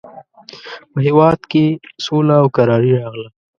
په هېواد کې سوله او کراري راغله.